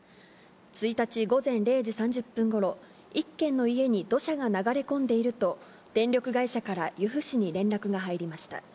１日午前０時３０分ごろ、１軒の家に土砂が流れ込んでいると、電力会社から由布市に連絡が入りました。